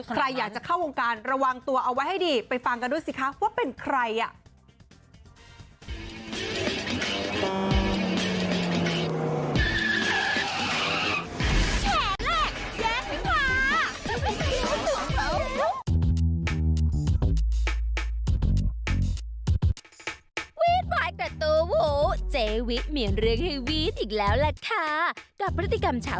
ใครอยากจะเข้าวงการระวังตัวเอาไว้ให้ดีไปฟังกันดูสิคะว่าเป็นใครอ่ะ